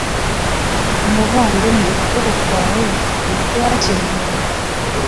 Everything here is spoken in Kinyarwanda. umuvandimwe ukuboko kwawe ntikurakira